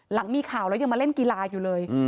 หลังมีข่าวแล้วยังมาเล่นกีฬาอยู่เลย